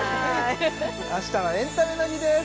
明日はエンタメの日です